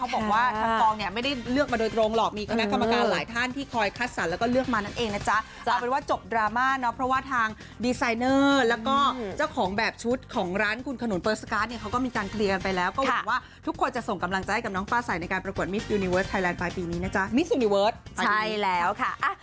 แล้วก็เจ้าของแบบชุดของร้านคุณขนุนเปอร์สการ์ดเนี่ยเขาก็มีการเคลียร์ไปแล้วก็หวังว่าทุกคนจะส่งกำลังใจให้กับน้องป้าใส่ในการประกวดมิสยูนิเวิร์สไทยแลนด์ปลายปีนี้นะจ๊ะมิสยูนิเวิร์สใช่แล้วค่ะ